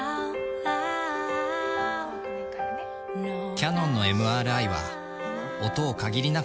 キヤノンのＭＲＩは音を限りなく